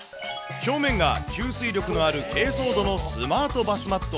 表面が吸水力のある珪藻土のスマートバスマット。